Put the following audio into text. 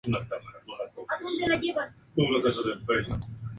Satoshi Hashimoto